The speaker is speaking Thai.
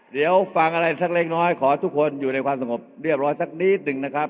เดี๋ยวฟังอะไรสักเล็กน้อยขอทุกคนอยู่ในความสงบเรียบร้อยสักนิดหนึ่งนะครับ